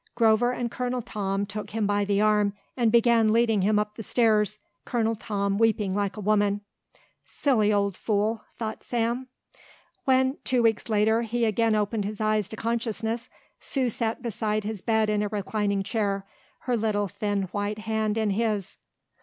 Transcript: Grover and Colonel Tom took him by the arm and began leading him up the stairs, Colonel Tom weeping like a woman. "Silly old fool," thought Sam. When, two weeks later, he again opened his eyes to consciousness Sue sat beside his bed in a reclining chair, her little thin white hand in his.